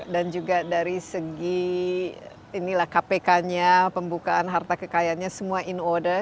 dan juga dari segi inilah kpk nya pembukaan harta kekayaannya semua in order